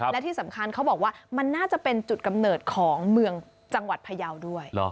และที่สำคัญเขาบอกว่ามันน่าจะเป็นจุดกำเนิดของเมืองจังหวัดพยาวด้วย